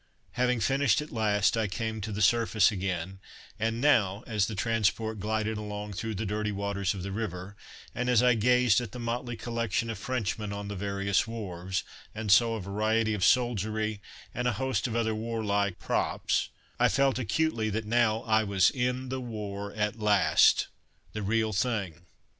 Having finished at last, I came to the surface again, and now, as the transport glided along through the dirty waters of the river, and as I gazed at the motley collection of Frenchmen on the various wharves, and saw a variety of soldiery, and a host of other warlike "props," I felt acutely that now I was in the war at last the real thing!